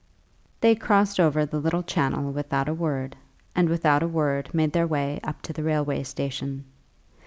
They crossed over the little channel without a word, and without a word made their way up to the railway station.